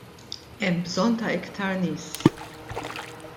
Hemm bżonn ta' iktar nies.